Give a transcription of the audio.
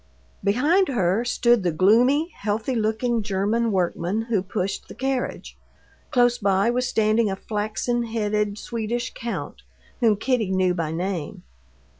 Behind her stood the gloomy, healthy looking German workman who pushed the carriage. Close by was standing a flaxen headed Swedish count, whom Kitty knew by name.